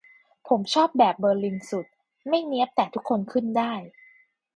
ผมชอบแบบเบอร์ลินสุด ไม่เนี๊ยบแต่ทุกคนขึ้นได้